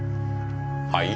はい？